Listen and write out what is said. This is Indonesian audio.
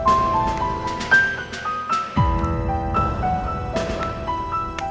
kayaknya ada orang orang sly di sana